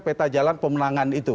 peta jalan pemenangan itu